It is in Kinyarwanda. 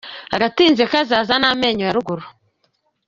Agatinze kazana ni amenyo ya ruguru.